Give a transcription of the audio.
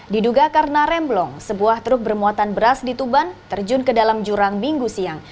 diduga karena remblong sebuah truk bermuatan beras di tuban terjun ke dalam jurang minggu siang